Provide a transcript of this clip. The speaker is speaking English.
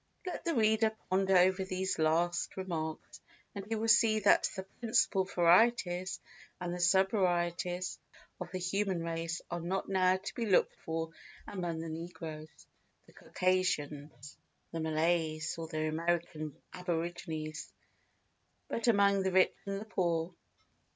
Let the reader ponder over these last remarks, and he will see that the principal varieties and sub varieties of the human race are not now to be looked for among the negroes, the Circassians, the Malays, or the American aborigines, but among the rich and the poor.